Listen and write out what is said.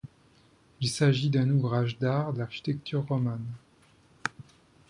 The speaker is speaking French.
Il s'agit d'un ouvrage d'art d'architecture romane.